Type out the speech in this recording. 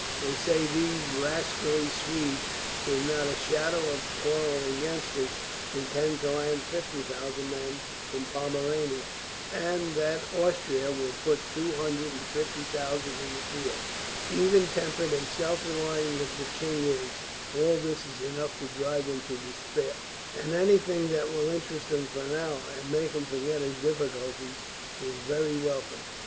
They say these rascally Swedes, who have not a shadow of quarrel against us, intend to land fifty thousand men in Pomerania; and that Austria will put two hundred and fifty thousand in the field. Even tempered and self relying as the king is, all this is enough to drive him to despair; and anything that will interest him for an hour, and make him forget his difficulties, is very welcome."